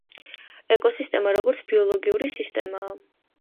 ეკოსისტემა როგორც ბიოლოგიური სისტემაა